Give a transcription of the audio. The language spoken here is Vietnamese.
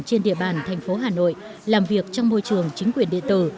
trên địa bàn thành phố hà nội làm việc trong môi trường chính quyền địa tử